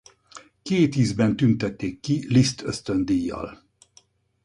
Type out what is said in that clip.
Két ízben tüntették ki Liszt-ösztöndíjjal.